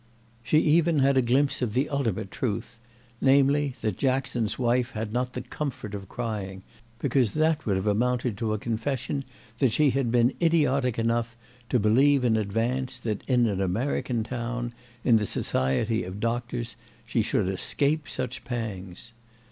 She even had a glimpse of the ultimate truth; namely, that Jackson's wife had not the comfort of crying, because that would have amounted to a confession that she had been idiotic enough to believe in advance that, in an American town, in the society of doctors, she should escape such pangs.